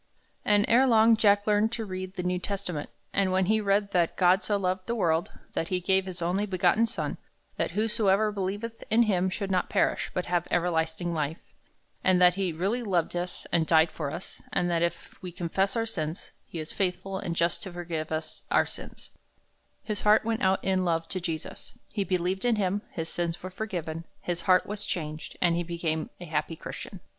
And, erelong, Jack learned to read the New Testament, and when he read that "God so loved the world, that he gave his only begotten Son, that whosoever believeth in him should not perish, but have everlasting life," and that he really loved us and died for us, and that "if we confess our sins, he is faithful and just to forgive us our sins," his heart went out in love to Jesus. He believed in him, his sins were forgiven, his heart was changed, and he became a happy Christian.